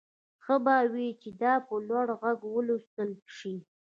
ښه به وي چې دا په لوړ غږ ولوستل شي